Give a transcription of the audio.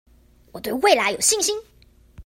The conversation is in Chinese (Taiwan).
我對未來有信心